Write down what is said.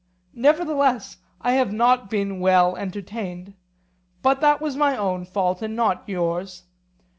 Nevertheless, I have not been well entertained; but that was my own fault and not yours.